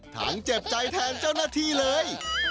เจ็บใจแทนเจ้าหน้าที่เลย